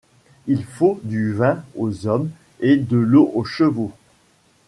Il faut du vin aux hommes et de l’eau aux chevaux